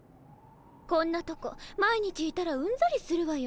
こんなとこ毎日いたらうんざりするわよ。